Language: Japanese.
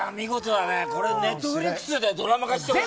これ、Ｎｅｔｆｌｉｘでドラマ化してほしい。